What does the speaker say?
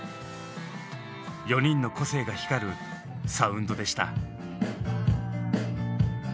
４人の個性が光るサウンドでした。